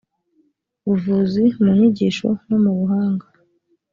buvuzi mu nyigisho no mu buhanga